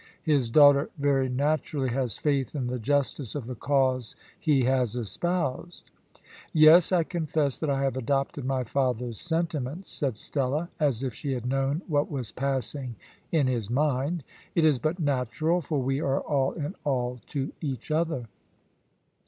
"His daughter very naturally has faith in the justice of the cause he has espoused." "Yes, I confess that I have adopted my father's sentiments," said Stella, as if she had known what was passing in his mind. "It is but natural, for we are all in all to each other.